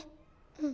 うん。